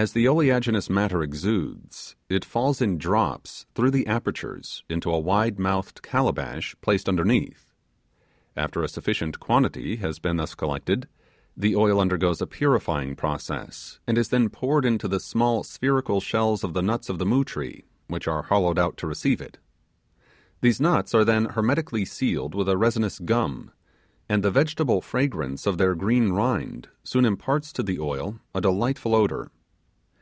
As the oleaginous matter exudes, it falls in drops through the apertures into a wide mouthed calabash placed underneath. After a sufficient quantity has thus been collected, the oil undergoes a purifying process, and is then poured into the small spherical shells of the nuts of the moo tree, which are hollowed out to receive it. These nuts are then hermetically sealed with a resinous gum, and the vegetable fragrance of their green rind soon imparts to the oil a delightful odour.